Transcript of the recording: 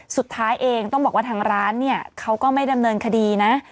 สุดท้ายเองต้องบอกว่าทางร้านเนี่ยเขาก็ไม่ดำเนินคดีนะ